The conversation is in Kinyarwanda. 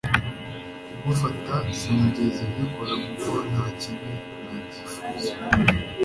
kugufata sinigeze mbikora kuko ntakibi nakifuza